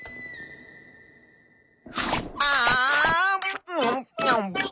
あん。